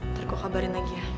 ntar kau kabarin lagi ya